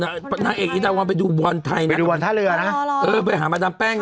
นางเอกอีเทวอนไปดูวันไทยนะไปหามาดามแป๊กนะ